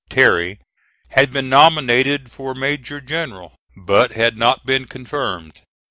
Terry had been nominated for major general, but had not been confirmed.